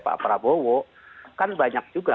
pak prabowo kan banyak juga